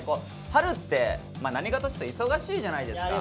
春って何かとちょっと忙しいじゃないですか。